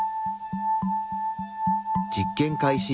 実験開始。